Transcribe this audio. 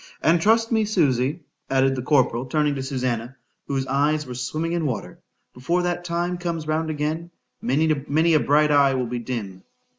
—And trust me, Susy, added the corporal, turning to Susannah, whose eyes were swimming in water,—before that time comes round again,—many a bright eye will be dim.